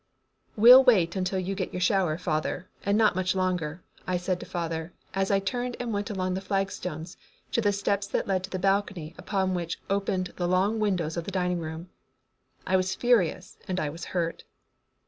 "We'll wait until you get your shower, father, and not much longer," I said to father, as I turned and went along the flagstones to the steps that led to the balcony upon which opened the long windows of the dining room. I was furious and I was hurt.